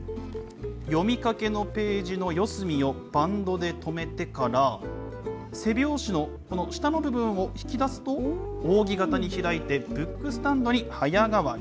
読みかけのページの四隅をバンドで留めてから、背表紙のこの下の部分を引き出すと、扇形に開いて、ブックスタンドに早変わり。